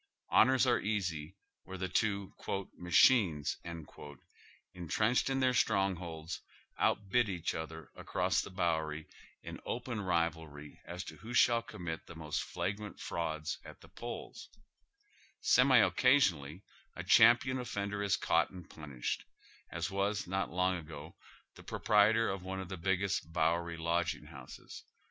Honors are easy, wiiere the two " ma chines," intrenched in their strongholds, outbid each other across the Bowery in open rivalry as to who shall commit the most flagrant frauds at the polls, Semi occasionally a dianipion offender is cauglit and punislied, as was, not long ago, the proprietor of one of tlie biggest Bowery lodging houses.